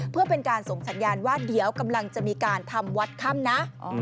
เพื่อเป็นการส่งสัญญาณว่าเดี๋ยวกำลังจะมีการทำวัดค่ำนะ